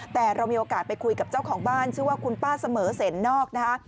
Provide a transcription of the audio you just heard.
แต่เรามีโอกาสไปคุยกับเจ้าของบ้านชื่อว่าคุณป้าเสมอเสนนอกนะคะ